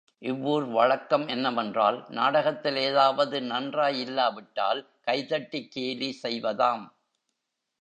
இவ்வூர் வழக்கம் என்ன வென்றால், நாடகத்தில் ஏதாவது நன்றாகயில்லாவிட்டால் கைதட்டிக் கேலி செய்வதாம்!